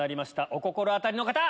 お心当たりの方！